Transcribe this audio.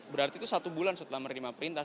berarti itu satu bulan setelah menerima perintah